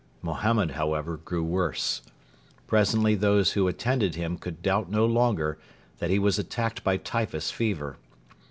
Mohammed, however, grew worse. Presently those who attended him could doubt no longer that he was attacked by typhus fever.